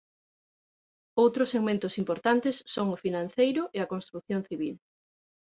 Outros segmentos importantes son o financeiro e a construción civil.